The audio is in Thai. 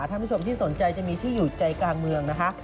ท่านผู้ชมที่สนใจจะมีที่อยู่ใจกลางเมืองนะคะ